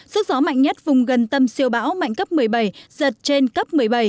sức gió mạnh nhất vùng gần tâm siêu bão mạnh cấp một mươi bảy giật trên cấp một mươi bảy